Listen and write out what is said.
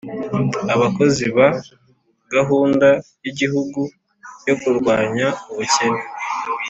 abakozi ba gahunda y'igihugu yo kurwanya ubukene